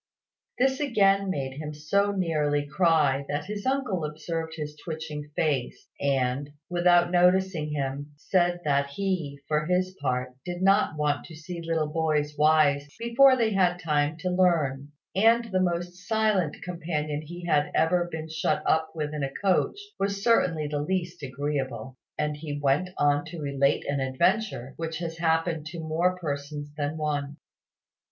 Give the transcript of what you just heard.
This again made him so nearly cry that his uncle observed his twitching face, and, without noticing him, said that he, for his part, did not want to see little boys wise before they had time to learn; and that the most silent companion he had ever been shut up with in a coach was certainly the least agreeable: and he went on to relate an adventure which has happened to more persons than one.